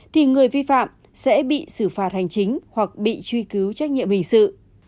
thì người vi phạm sẽ bị xử phạt hành chính hoặc bị truy cứu trách nhiệm hình sự